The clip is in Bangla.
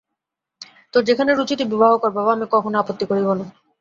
তোর যেখানে রুচি তুই বিবাহ কর বাবা, আমি কখনো আপত্তি করিব না।